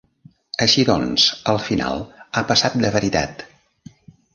Així doncs, al final, ha passat de veritat!